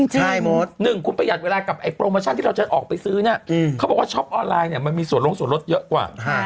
หนึ่งคุณประหยัดเวลากับไอโปรโมชั่นที่เราจะออกไปซื้อเนี่ยเขาบอกว่าช็อปออนไลน์เนี่ยมันมีส่วนลงส่วนลดเยอะกว่า